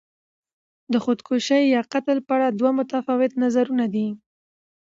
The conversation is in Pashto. د خودکشي یا قتل په اړه دوه متفاوت نظرونه دي.